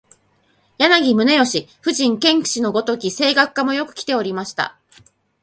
柳宗悦、夫人兼子のごとき声楽家もよくきておりました